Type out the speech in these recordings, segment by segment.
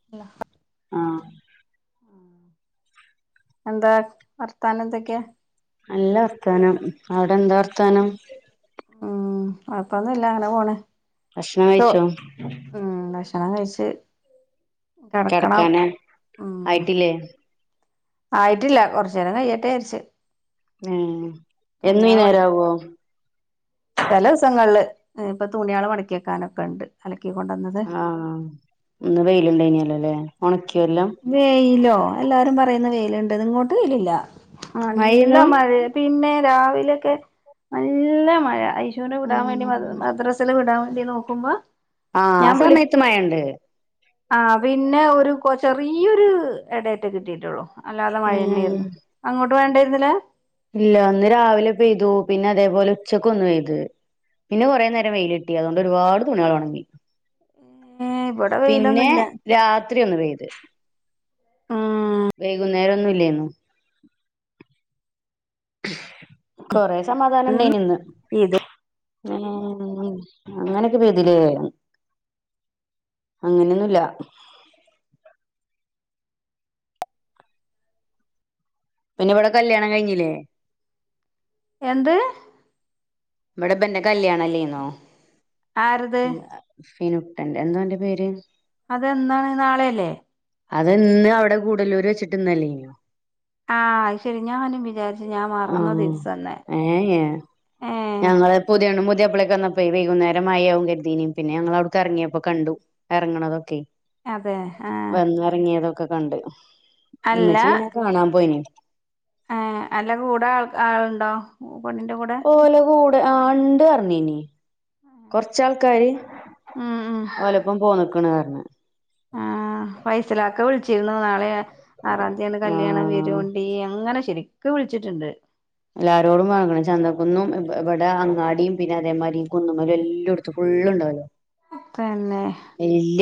[unintelligible] ആഹ് എന്താ വർത്താനന്തൊക്കെയാ? നല്ല വർത്താനം. അവിടെന്താ വർത്താനം? ഉം, ഒഴപ്പൊന്നുല്ല അങ്ങനെ പോണ് ഭക്ഷണം ചോ കഴിച്ചോ? ഉം, ഭക്ഷണം കഴിച്ച് കെടക്കണം. ഉ ലെ ആയിട്ടില്ല. കൊർചേരം കയ്യട്ടെ ജാര്ച്ച് ഏഹ് എന്നു ഈ മടക്കി നേരാവോ? ചെല ദിവസങ്ങൾല്. ഉം, പ്പതുണിയള് മടക്കിയെക്കാനൊക്കെണ്ട്. അലക്കിക്കൊണ്ടാ- ആഹ്, ഇന്ന് വെയില് ണ്ടായിനില്ലലെ. ഒണക്ക്യൊ എല്ലം വെയിലോ, എല്ലാരും പറയുന്ന വെയിലിണ്ട്ന്ന് ഇങ്ങോട്ട് വെയിലില്ല. നല്ല മഴേന്നു മഴേ പിന്നെ രാവിലൊക്കെ നല്ല മഴ അയിഷൂന വിടാൻ വേണ്ടി ആഹ് മദ് മദ്രസ് ത്ത ല് വിടാവേണ്ടി നോക്കുമ്പോ ആഹ് ആ സമയത്ത് മയണ്ട് ആ പിന്നെ ഒരു ചെറിയൊരു ഇടട്ടെ കിട്ടിട്ടുള്ളൂ അല്ലാതെ ഉം മഴെന്നെയാര്ന്നു അങ്ങോട്ട് മഴണ്ടായിരുന്നില്ലാ ഇല്ല ഇന്ന് രാവിലെ പെയ്തു പിന്നെ അതേപോലെ ഉച്ചക്ക് ഒന്ന് പെയ്ത് പിന്നെ കൊറേ നേരം വെയിലിട്ടി അതോണ്ട് ഒരുപാട് തുണിയളൊണങ്കി ഏഹ് ഇവിടെ പിന്നെ വെയിലൊന്നുല്ല രാത്രി ഒന്ന് പെയ്ത് ഉം വൈകുന്നേരൊന്നു ഇല്ലെന്നു കൊറെ സമാധാന ണ്ടായിരുന്നു ഇന്ന് ഇത് ഏഹ് അങ്ങനൊക്കെ പെയ്തിലേ അങ്ങനെയൊന്നുല്ല പിന്നെ ഇവിടെ കല്യാണം കഴിഞ്ഞില്ലേ എന്ത്? ഇവ്ടെപ്പെന്റെ കല്യാണല്ലേന്നോ ആരത് ഫിനുട്ടന്റെ എന്തോന്റെ പേര് അതെന്നാണ് നാളെയല്ലേ അതന്ന് അവിടെ കൂടുലൂര് വെച്ചിട്ട്ന്നല്ലേനോ ആഹ് ശെരി ഞാനും വിചാര്ച്ച് ഞാൻ മറന്ന ആഹ് ദിവസംന്നെ ഏ ഏ ഞങ്ങള് പുതിയണ്ണു പുതിയപ്പളെക്ക് വന്നപ്പേ വൈകുന്നേരം മഴയാവും കരുതീനി പിന്നെ ഞങ്ങൾ അവിട്ക്കെർങ്ങിയപ്പോ കണ്ടു എർങ്ങണതൊക്കെ അതെ ആഹ് എർങ്ങിയതൊക്കെ കണ്ട് ഉമ്മച്ചി പിന്നെ കാണാൻ പോയിന് ആഹ് അല്ല കൂടെ ആൾ ആളുണ്ടോ പണ്ണിന്റെ കൂടെ ഓല കൂടെ ആ ണ്ട്ർഞ്ഞീനി കൊർച്ചാൾക്കാര് ഉം ഉം ഓലപ്പം പോന്ന്ക്ക്ണ് പർഞ് ആഹ് ഫൈസലാക്ക വിളിച്ചിര്ന്നു നാളെയാ ആറാം തീയാണ് കല്യാണം ആഹ് വരുണ്ടി അങ്ങനെ ശെരിക്ക് വിളിച്ചിട്ട്ണ്ട് എല്ലാരോടും വാങ്ങണം ചന്തക്കുന്നും ഇവ് ഇവിടെ അങ്ങാടിയും പിന്നെ അതേമാരി കുന്നുമ്മലും എല്ലോട് ഫുള്ള്ണ്ടാവല്ലോ തന്നെ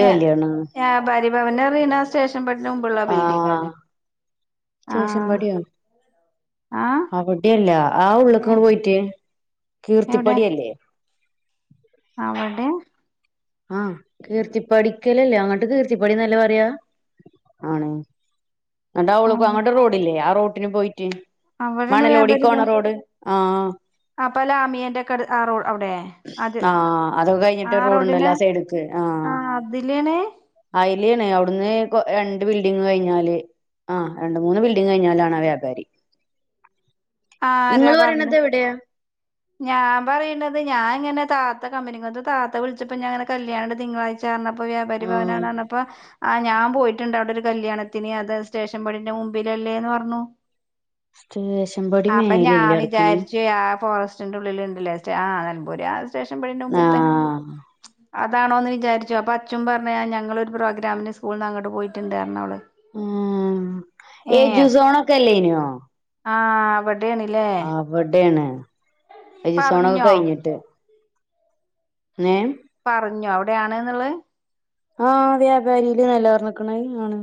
ഞാ കല്യാണാണ് ഞാ ഭാരിഭവന്റെ റീന സ്റ്റേഷൻപട്ട്ന് മുമ്പുള്ള ബിൽഡിംഗല്ലേ സ്റ്റേഷമ്പടിയോ ആഹ് അവിടെല്ല ആ ഏ ഉള്ള്ക്കങ്ട് പോയിട്ട് കീർത്തിപ്പടിയല്ലേ അവടേ ആഹ് കീർത്തിപ്പടിക്കലല്ലേ അങ്ങട്ട് കീർത്തിപ്പടിന്നല്ലേ പറയാ ആണ് ന്ന്ട്ടാഓള്ക്ക് അങ്ങട്ടൊര് റോഡില്ലേ ആ റോട്ടിന് പോയിറ്റ് അവടേണ് വ്യാപാരിപഷ് ആഹ് ആപ്പലാമിയന്റെക്കട് ആ റോഡ് അവടേ ആഹ് അതൊക്കെ കഴിഞ്ഞിട്ട് റോഡുണ്ടല്ലോ ആ സൈഡക്ക് ആ ആഹ് അതിലാണ് അയ്ലേണ് അവിടുന്ന് കൊ രണ്ട് ബിൽഡിങ് കഴിഞ്ഞാല് ആ രണ്ട് മൂന്ന് ബിൽഡിങ് കഴിഞ്ഞാലാണ് ആ വ്യാപാരി ആരാ ഇങ്ങള് പറഞ്ഞെ പറയണത് എവിടെയാ ഞാൻ പറയ്ണത് ഞാൻങ്ങനെ താത്ത കമ്പനിങ്ങത്ത് താത്ത വിളിച്ചപ്പോ ഞാന്ങ്ങനെ കല്യാണണ്ട് തിങ്കളാഴ്ച ച്ച ചെന്നപ്പോ വ്യപാരി ആഹ് ഭവനാണ്റഞ പ്പൊ ആ ഞാൻ പോയിറ്റ്ണ്ട് അവടൊരു കല്യാണത്തിന് അത് സ്റ്റേഷൻ പടിന്റെ മുമ്പിലല്ലേന്ന് പറഞ്ഞു സ്റ്റേഷൻപടി മേലല്ലടക്കണ് ഏ ആ ഫോറസ്റ്റിന്റെ ഉള്ളിൽ ഇണ്ടല്ലേ സ്റ്റേ ആ നെലമ്പൂര് ആ സ്റ്റേഷൻ പടിന്റെ മുമ്പ്ത്തെ ആഹ് അതാണോന്ന് വിചാരിച്ചു അപ്പൊ അച്ഛും പറഞ്ഞ് ആ ഞങ്ങളൊരു പ്രോഗ്രമിന് സ്കൂൾന്ന് അങ്ങട്ട് പോയിറ്റ്ണ്ടറിഞ്ഞു അവള് ആഹ് എജു സോൺക്കേല്ലേനോ ആഹ് അവട അവടേണ് എജുസോണൊക്കെ പറഞ്ഞോ കഴിഞ്ഞിട്ട് നേം പറഞ്ഞോ അവിടെയാണ്ന്നിള്ളെ ആഹ് വ്യാപാരീല് നല്ലർഞ്ഞ്ക്ക്ണയ് ആണ്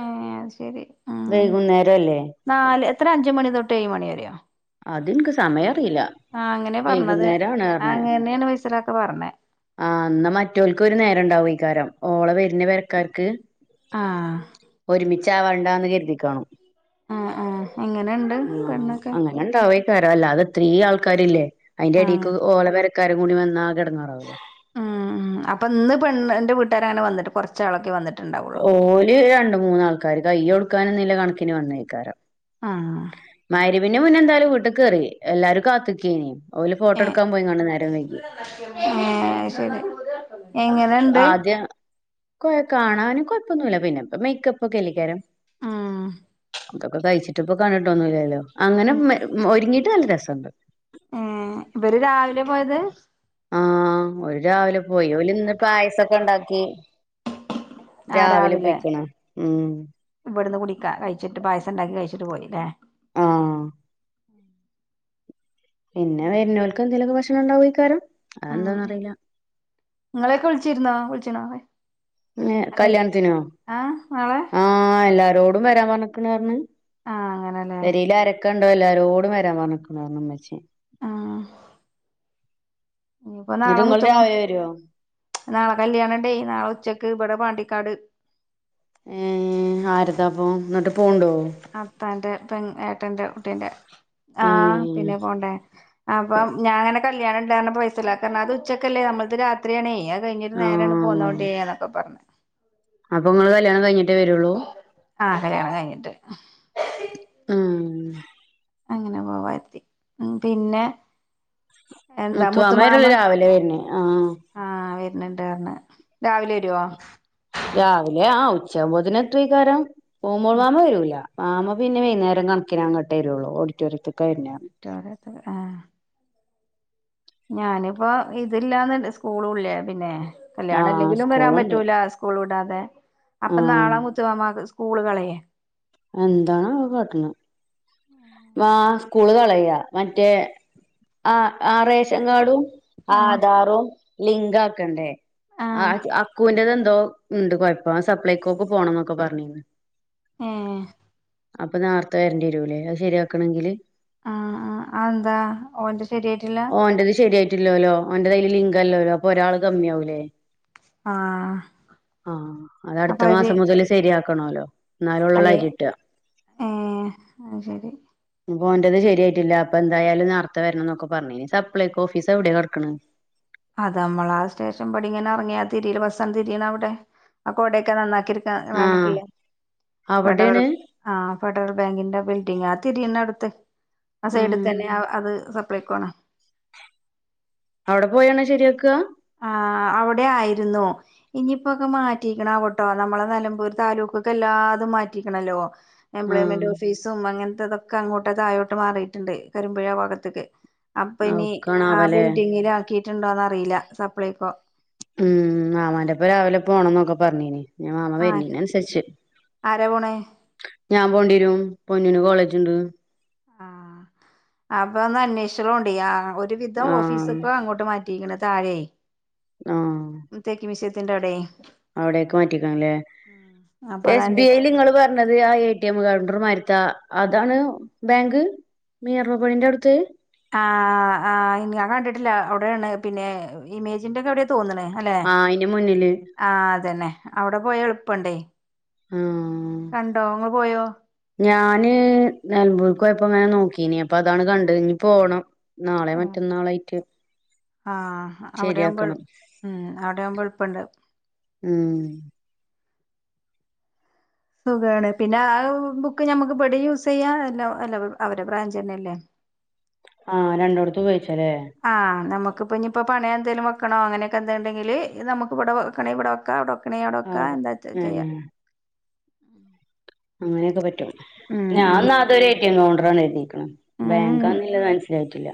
ആഹ് അത് ശെരി അഹ് വൈകുന്നേരല്ലേ നാല് എത്ര അഞ്ച്മണി തൊട്ടേഴ്മണി വരെയോ അതിനിക്ക് സമയം അറിയില്ല ആഹ് അങ്ങനെ പറഞ്ഞത് വൈകുന്നേരാണ് പറഞ്ഞ് അങ്ങനേണ് ബഷീറാക്ക പറഞ്ഞെ ആഹ് എന്നാ മറ്റോൽക്ക് ഒരു നേരണ്ടാവേക്കാരം ഓളെ വര്ന പെരക്കാർക്ക് ആ ഒരുമിച്ചാവണ്ടാന്ന് കരുതിക്കാണും ആ ആ എങ്ങനെയുണ്ട് ഉം പെണ്ണൊക്കെ അങ്ങനെണ്ടാവേക്കാരം അല്ലാതെ ഇത്രേം ആൾക്കാരില്ലേ ആ അയിന്റെടീക്ക് ഓളെ പെരക്കാരും കൂടി വന്നാ ആകെടങ്ങേറാവൂലേ ഉം ഉം അപ്പൊന്ന് പെണ്ണ്ന്റെ വീട്ടാരങ്ങനെ വന്നിട്ട് കൊറ ച്ചാളൊക്കേ വന്നിട്ടിണ്ട ഓല് രണ്ട് മൂന്നാൾക്കാർ കയ്യൊടുക്കാനന്നില്ല കണക്കിന് വന്നേക്കാരം ആഹ് മാരിബിന്റെ മുന്നെന്തായാലും വീട്ട്ക്കേറി എല്ലാരും കാത്ത്ക്കേനി ഓല് ഏ ഫോട്ടോടുക്കാൻ പോയിങ്ങാണ്ട് നേരം വൈകിയെ ഏഹ് അയ് ശരി എങ്ങ ആദ്യം കൊയ് കാണാന് കൊയപ്പൊന്നുല്ല പിന്നെപ്പൊ മേയ്ക്കപ്പൊക്കെല്ലേക്കാരം ഉം ഇതൊക്കെ കഴിച്ചിട്ട്പ്പ കണ്ട്ട്ടൊന്നുല്ലല്ലൊ അങ്ങനെ മേ ഒരുങ്ങീട്ട് നല്ല രസെണ്ട് ഇബര് രാവിലെ പോയത് ആഹ് ഓര് രാവിലെ പോയി ഓലിന്ന് പായസക്കെണ്ടാക്കി ആഹ് രാവിലേ ഇവിടന്ന് കുടിക്ക കഴിച്ചിട്ട് പായസണ്ടാക്കി കഴിച്ചിട്ട് പോയില്ലേ ആഹ് പിന്നേ വെരുനോൽക്കെന്തേലൊക്കെ ഭക്ഷണെണ്ടാവേക്കാരം അതെന്താന്നറിയില്ല ഇങ്ങളെയൊക്കെ വിളിച്ചിരുന്നോ വിളിച്ചീണോ നേ കല്യാണത്തിനോ ആഹ് നാളെ ആഹ് എല്ലാരോ ടുംവരാൻ പറഞ്ഞ്ക്കണേർന്ന് ആഹ് അങ്ങനെല്ലേ പെരേലാരെ ക്കണ്ട് എല്ലാരോടും വരാൻ പറഞ്ഞിക്ക്ണാർന്നുമ്മച്ചി ഇഞ്ഞ്പ്പോ എന്നിട്ട് നാളെ ഇങ്ങള് മുത്തുമോ രാവിലെ വരോ നാളെ കല്ല്യാണണ്ടേയ് നാളെ ഉച്ചക്ക് ഇബടെ പാണ്ടിക്കാട് ഏഹ് ആരതാപ്പോ എന്നിട്ട് പോണുണ്ടോ അത്താന്റെ പെങ്‌ ഏട്ടന്റെ കുട്ടീന്റെ ഏ ആഹ് പിന്നെ പോണ്ടേ അപ്പം ഞാന കല്യാണം ഇണ്ടരുന്ന പൈസലാക്ക പർഞ്ഞ് അത് ഉച്ചക്കല്ലേ നമ്മൾത് രാത്രിയാണേ അത് കഴിഞ്ഞട്ട് ആ നേരെയണ്ട് പോന്നോളി [unintelligible] ന്നൊക്കെ പറഞ്ഞ് അപ്പ നിങ്ങൾ കല്യാണം കഴിഞ്ഞി ട്ടെ വരുള്ളൂ ആഹ് കല്യാണം കഴിഞ്ഞിട്ട് ഉം അങ്ങനെ പോവാ കരുതി ഉം പിന്നെ എന്താ മുത്തുമാമാ [unintelligible] മുത്തുമാമൻ രാവിലെ വരണേ ആഹ് ആഹ് വരനെണ്ട് പറഞ്ഞ് രാവിലെ വരുവോ രാവിലെ ആഹ് ഉച്ച ആവൂമ്പോത്തിന് എത്തുവായിക്കാരം [unintelligible] മാമ വരൂല മാമ പിന്നെ വൈകുന്നേരം കണക്കിന്ങ്ങട്ടേ വരുള്ളൂ ഓഡിറ്റോറിയത്തിക്ക വരുന്നെ [unintelligible] ആഹ് ഞാനിപ്പോ ഇതില്ലാന്ന്ണ്ട് സ്കൂളുള്ളേ പിന്നേ കല്യാണം ആഹ് ഇല്ലെങ്കിലും വരാൻ സ്കൂളുണ്ട് പറ്റൂല സ്കൂൾ വിടാതെ അപ്പൊ നാള ആഹ് മുത്തുമാമാക്ക് സ്കൂള് കളയേ എന്താണാവോ കാട്ടണെ മാ സ്കൂള് കളയാ മറ്റേ ആഹ്. ആ റേഷൻ കാഡും ആഹ് ആധാറും ലിങ്ക് ആക്കണ്ടേ? ആഹ്. അക്കി അക്കുവ്ൻ്റെത് ന്തോ ണ്ട് കൊയപ്പം. സപ്ലൈക്കോക്ക് പോണം ന്നൊക്കെ പർഞ്ഞീനി. ഏഹ് അപ്പം നേർത്തെ വെര്‌ണ്ട്വെരൂലെ അഅ് ശരിയാക്കണെങ്കില് ആഹ് ആഹ്. അ ന്താ ഓന്റെ ശരിയായിട്ടില്ലാ? ഓൻ്റെത് ശരിയായിട്ടില്ലോലോ. ഓ ൻ്റത് അയല് ലിങ്കല്ലലൊ. അപ്പൊ ഒരാള് കമ്മി ആവൂലേ. ആഹ് ആഹ്. അത് അപ്പൊ അട്ത്ത അവര് മാസം മുതൽ ശരിയാക്കണോലൊ അല്ലെ. ഏഹ് അഅ് ശരി പോ ഒന്റത് ശരിയായിട്ടില്ല. അപ്പന്താ യാലും നേർത്തെ വരണം ന്നൊക്കെ പർഞ്ഞീനി. സപ്ലൈ ക്കൊ ഓഫീസ് എവ്ടെ കെടക്ക്ണ്. അതമ്മള ആ സ്റ്റേഷൻ പ്പടി ങ്ങനെ എർങ്ങിയാ തിരിയിലെ. ബസ്സൺ തിരിണ അവ്ടെ. ആ കൊടേക്കെ നന്നാക്കിട് [unintelligible] വേ ആഹ് ണ്ടട്ടീല. വേണ്ട അവിടേണ് വ്‌ടെ ആഹ്. ഫെഡറൽ ബാങ്കിന്റെ ബിൽഡിംഗ്. ആ തിരീണെട്ത്ത്. അ സൈഡ് ആഹ് തന്നെ. അവ് അത് സപ്ലൈകോ ആണ്. അവ്ടെ പോയാണ് ശെരിയാക്കാ. ആഹ്. അവ്ടെ ആയിരുന്നു. ഇനിയിപ്പോക്കൊ മാറ്റീക്കണാവോട്ടോ. നമ്മളെ നെലമ്പൂര് താലൂക്കൊക്കെ എല്ലാതും മാറ്റിക്കണല്ലോ. എംപ്ലോയ്മെന്റ് ആഹ് ഓഫീസും അങ്ങൻത്തെതൊക്കെ അങ്ങോട്ട് താഴോട്ട് മാറീട്ട്ണ്ട്. കരുമ്പുഴ ഭാഗത്ത്ക്ക്. അപ്പൊ ഇനി ആ അവ്ക്കാണാവല്ലേ ബിൽഡിങ്ങില് ആക്കിയിട്ടുണ്ടോന്ന് അറീല. സപ്ലൈ ക്കൊ. ഉം. മാമാന്റെ ഒപ്പം രാവിലെ പോണംന്നൊക്കെ പറഞ്ഞീനി. ഞ്ഞാ മാമാ ആ വെര്ണീനൻസര്ച്ച്. ആരാ പോണ്? ഞാപോണ്ട്യേരും. പൊന്നൂന് കോളേജ് ണ്ട്. ആഹ്. അപ്പൊ ഒന്ന് അന്വേഷ്യളൂണ്ടി. ആഹ് ആഹ് ഒര് ഒര് വിധം ഓഫീസ് ആഹ് ഒക്കെ അങ്ങോട്ട് മാറ്റിയിക്കണ് താഴേ. ആഹ് തേക്ക് മ്യൂസിയത്തിന്റെ അവ്ടേ അവ്ടേക്ക് മാറ്റിക്കണ്ല്ലേ. അപ്പൊ എസ് ബി അതാണ് ഐ ല് ങ്ങള് പെ ണ്ടത് ആ എ ടി എം കൗണ്ടർമാര്ത്തെ അ അതാണ് ബേങ്ക്. മീറു പോയിൻ്റാഔട്ത്ത് ആഹ് ആഹ് ആഹ് ഞാകണ്ടിട്ടില്ലാ ഔടേണ്. പിന്നെ ഇമേജിന്റെ ഒക്കെ അവ്ടെ തോന്ന്ണ് അല്ലെ. ആഹ് അയിന്റെ മുന്നില് ആഹ് അതെന്നെ. അവ്ടെ പോയാ എൾപ്പണ്ടേ ആഹ് കണ്ടോ ങ്ങള് പോയോ? ഞാന് നെൽമ്പൂർക്കോയപ്പൊ വേം നോക്കീനി. അപ്പൊ അതാണ് കണ്ടെ. ഞ്ഞി പോണം നാളെ, മറ്റന്നാളേയിറ്റ്. ആഹ്. അവ്ടെയാവ്മ്പെൾ മ്. അവിടെയാവ്മ്പെൾപ്പണ്ട്. മ് സുഖേണ്. പിന്നെ അഅ് ബുക്ക് ഞമ്മക്ക് ബടീം യൂസെയ്യാ. എല്ല വ അല്ല [unintelligible] അവരെ ബ്രാഞ്ച ന്നെല്ലെ ആഹ്. രണ്ടോട്ത്തും കയ്ച്ചലേ ആഹ്. നമ്മക്ക് പ്പഞ്ഞ് പ്പ പണയ ന്തേലും വെക്കണോ അങ്ങനെക്കെ എന്തെ എന്തെങ്കില് ത മ്മക്ക് വടെ വെ വെക്കണേ വടെ വെക്കാ. അവ്ടെ വെ ക്കണേ അവ്‌ടെ വെക്കാ. അവിടെ എന്താച്ചാ ചെയ്യാ. ഉം അങ്ങനെയൊക്കെ പറ്റും ഉം ഉം ഞാന്നത് അതൊരു എ ട്ടി എം കൗണ്ടർ ആണ് കരുതികണ് ഉം ബേങ്കാന്ന്ള്ളെ മൻസ്സിലായിട്ടില്ല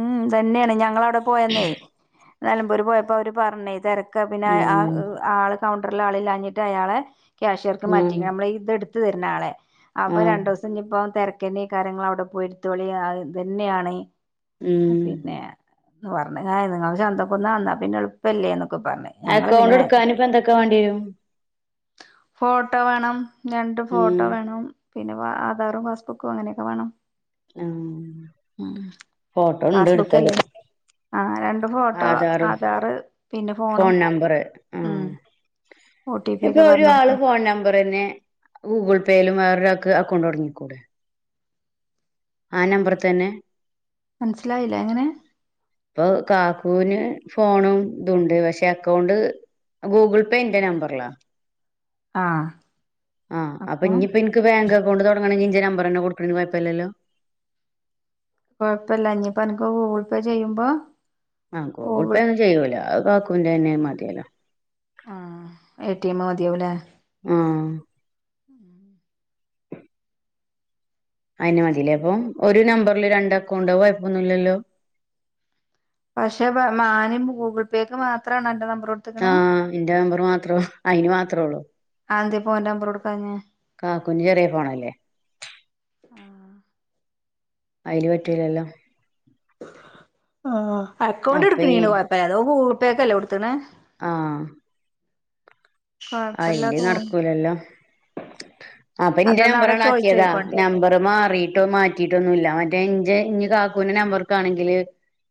ഉം. തന്നെയാണ്. ഞങ്ങളവ്ടെ പോയന്നേ നെലമ്പൂര് പോയപ്പൊ അവര് പർന്ന് തെര ക്കാ. പിന്നെ ഉം [unintelligible] ആളെ കൗണ്ടർല് ആള്‌ല്ലാഞ്ഞിട്ട് അയാളെ ക്യാഷർക്ക് മാറ്റി. ഉം അമ്മള് ഇത്ട് ത്ത് തര്ന്നാളെ അപ്പൊ ആഹ് രണ്ടോസ് പ്പം ഞ്ഞിപ്പം തെരക്കന്നേക്കാരം ങ്ങള് അവ്ടെ പോയിടുത്തോളി. അഅ് ഇതന്നെയാണ് ഉം പിന്നെ [unintelligible] ങ്ങള് ചന്തക്കുന്നാ എന്നാപിന്നെ എൾപ്പല്ലേ ന്നൊക്കെ പർഞ്ഞ്. അക്കൗണ്ട് ട്ക്കാന് ഇപ്പൊ എന്തൊക്കെവാണ്ടിരും? ഫോട്ടോ വേണം, രണ്ട് ഉം ഫോട്ടോ വേണം. പിന്നെ വ ആധാറും പാസ്ബുക്കും അങ്ങനെയൊക്കെ വാണം. ഫോട്ടോണ്ട് ഇട്ത്തത്. ആഹ് രണ്ട് ഫോട്ടോ ആധാറും ആധാറ് പിന്നെ ഫോൺ ഫോണും നമ്പർ ആ ഉം ഒ ടി പി ഇപ്പൊ ഒക്കെ ഒരു ആള് പറഞ്ഞൊടുക്കും ഫോൺ നമ്പർ തന്നെ ഗൂഗിൾ പേയിലും വേറൊരാൾക്ക്‌ അക്കൗണ്ട് തുടങ്ങിക്കൂടെ ആ നമ്പറിത്തന്നെ മനസ്സിലായില്ലേ എങ്ങനെ ഇപ്പൊ കാക്കുവിന് ഫോണും ഇതുണ്ട് പക്ഷെ അക്കൗണ്ട് ഗൂഗിൾ ഇപ്പ എന്റെ നമ്പർലാ ആ ആ അപ്പ ഇന്ന്പ്പോ എനിക്ക് ബാങ്ക് അക്കൗണ്ട് തുടങ്ങണങ്കി ഇന്റെ നമ്പർന്നെ കൊടുക്കണേല് കൊഴപ്പില്ലല്ലോ കുഴപ്പല്ല ഇനിയിപ്പ എനിക്ക് ഗൂഗിൾ പേ ചെയ്യുമ്പോ ആ ഗൂഗിൾ പേ ഒന്നു ചെയ്യൂല്ല അത് കക്കൂന്റെന്നെ മതിയല്ലോ എടിഎം മതിയാവൂല്ലെ ആ അയെന്നെമതില്ലേപ്പൊ ഒരു നമ്പറില് രണ്ട് അക്കൗണ്ട് അത്കൊയപ്പൊന്നും ഇല്ലല്ലോ പക്ഷെ മാനു ഗൂഗിൾ പേയ്ക്ക് മാത്രമാണ് എന്റെ നമ്പറോകൊട് ആ എന്റെ നമ്പർ മാത്രം അയിന് മാത്രേയുള്ളൂ അതെന്തേപ്പോ ഓന്റെ നമ്പർ കൊടുക്കാഞ്ഞേ കാക്കൂന്റെ ചെറിയെ ഫോണല്ലേ ആഹ് അയില് പറ്റൂലല്ലോ ആ അക്കൗണ്ട് അപ്പൊ ഈ എടുക്കണേല് കുഴപ്പല്ല അതോൻ ഗൂഗിൾപേക്കല്ലേ കൊടുത്ത്ക്കണേ ആ കൊഴപ്പല്ല അയില് തോന്ന് നടക്കൂലല്ലോ അപ്പൊ എന്റെ അതൊന്ന് അവിടെ നമ്പറാണ് ആക്കിയതാ ചോയിച്ചോയിക്കോണ്ടി നമ്പർ മാറിട്ടോ മാറ്റി കട്ടിയിട്ടൊന്നുമില്ല ഓന്റെ എന്റെ ഇന് കാക്കുവിന്റെ നമ്പർക്കാണെങ്കില്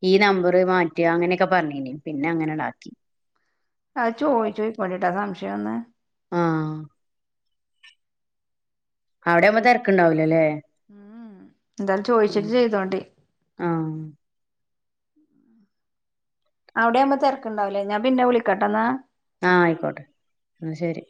ഈ നമ്പറ് മാറ്റ അങ്ങനെയൊക്കെ പറഞ്ഞീന് പിന്നെ അങ്ങനേടാക്കി അത് ചോയ്ചോയിക്കോളിട്ട സംശയൊന്ന് ആഹ് അവിടെയാമ്പോ തെരക്കുണ്ടാവില്ലല്ലേ എന്തായാലും ചോയിച്ചിട്ട് ചെയ്തോണ്ടി ആഹ് അവിടെയാവുമ്പോ തിരക്കുണ്ടാവൂല്ലെ ഞാൻ പിന്നെ വിളിക്കാട്ടാന്നാ ആ ആയിക്കോട്ടെ എന്ന ശരി